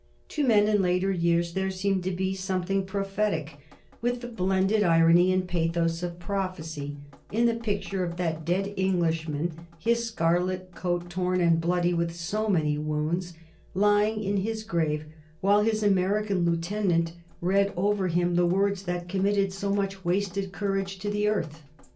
To men in later years there seemed to be something prophetic, with the blended irony and pathos of prophecy, in the picture of that dead Englishman, his scarlet coat torn and bloody with so many wounds, lying in his grave while his American lieutenant read over him the words that committed so much wasted courage to the earth.